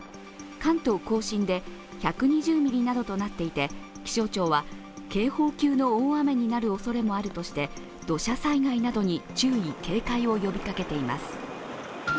関東甲信で１２０ミリなどとなっていて気象庁は警報級の大雨になるおそれもあるとして、土砂災害などに注意・警戒を呼びかけています。